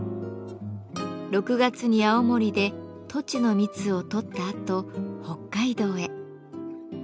６月に青森でトチの蜜を採ったあと北海道へ。